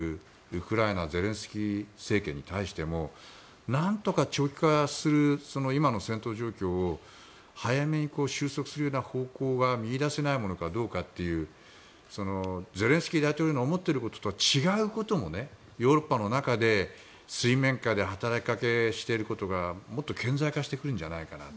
そうすると徹底抗戦を今かけているウクライナゼレンスキー政権に対してもなんとか長期化する今の戦闘状況を早めに収束するような方法が見いだせないものかどうかというゼレンスキー大統領の思っていることとは違うこともヨーロッパの中で水面下で働きかけをしていることがもっと顕在化してくるんじゃないかな。